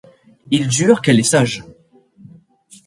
Il jure qu'elle est sage.